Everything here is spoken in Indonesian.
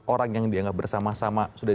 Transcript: orang yang dianggap bersama sama sudah